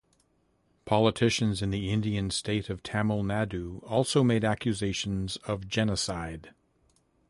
Politicians in the Indian state of Tamil Nadu also made accusations of genocide.